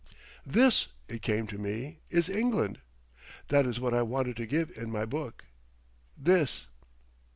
"This," it came to me, "is England. That is what I wanted to give in my book. This!"